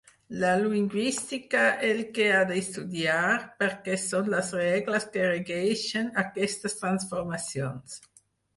La lingüística el que ha d'estudiar, perquè són les regles que regeixen aquestes transformacions.